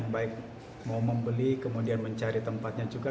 baik mau membeli kemudian mencari tempatnya juga